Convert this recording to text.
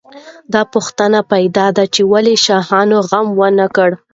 دا پوښتنه پیدا ده چې ولې شاهانو غم ونه کړ.